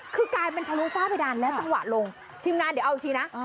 คือกลายเป็นชะลูฟาสไปด่านและจังหวะลง